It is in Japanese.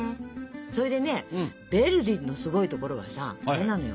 それでねヴェルディのすごいところはさあれなのよ。